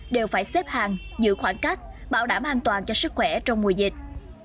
đều phải xếp hàng giữ khoảng cách bảo đảm an toàn cho sức khỏe trong mùa dịch